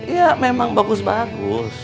ya memang bagus bagus